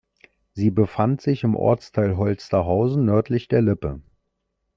Sie befand sich im Ortsteil Holsterhausen nördlich der Lippe.